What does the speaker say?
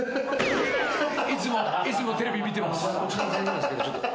いつもテレビ見てます。